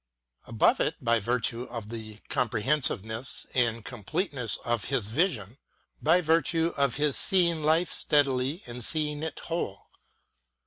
Above it by virtue of the compre hensiveness and completeness of his vision, by virtue of his seeing life steadily and seeing it whole.